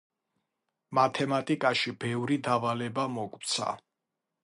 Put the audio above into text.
მათემატიკაში ბევრი დავალება მოქვცა